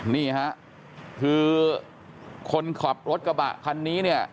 นี่ฮะคือคนขับรถกระบะคันนี้เนี่ย